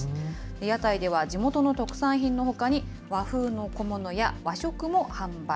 屋台では地元の特産品のほかに、和風の小物や、和食も販売。